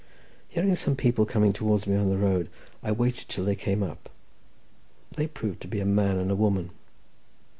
Hearing some people coming towards me on the road, I waited till they came up; they proved to be a man and a woman.